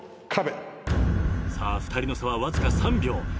さあ２人の差はわずか３秒。